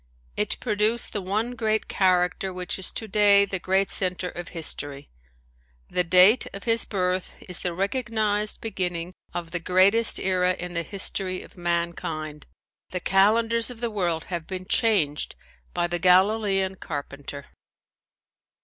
It produced the one great character which is today the great center of history. The date of his birth is the recognized beginning of the greatest era in the history of mankind. The calendars of the world have been changed by the Galilean carpenter.